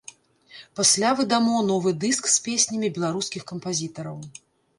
Пасля выдамо новы дыск з песнямі беларускіх кампазітараў.